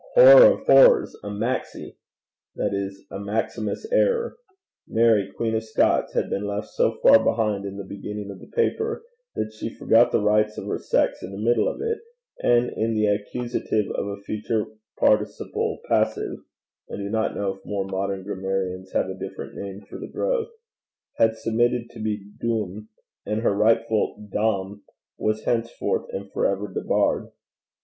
Horror of horrors! a maxie! that is a maximus error. Mary Queen of Scots had been left so far behind in the beginning of the paper, that she forgot the rights of her sex in the middle of it, and in the accusative of a future participle passive I do not know if more modern grammarians have a different name for the growth had submitted to be dum, and her rightful dam was henceforth and for ever debarred.